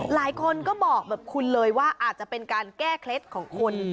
หลายคนก็บอกแบบคุณเลยว่าอาจจะเป็นการแก้เคล็ดของคน